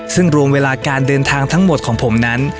ซึ่งรวมเวลาการเดินทางทั้งหมดของผมนั้น